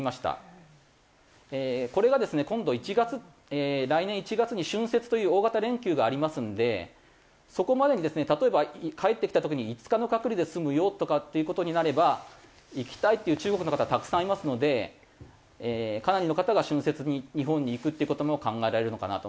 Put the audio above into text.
これがですね今度来年１月に春節という大型連休がありますのでそこまでにですね例えば帰って来た時に５日の隔離で済むよとかっていう事になれば行きたいっていう中国の方たくさんいますのでかなりの方が春節に日本に行くっていう事も考えられるのかなと。